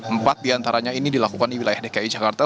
empat diantaranya ini dilakukan di wilayah dki jakarta